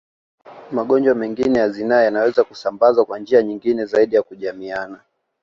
Magonjwa mengine ya zinaa yanaweza kusambazwa kwa njia nyingine zaidi ya kujamiiana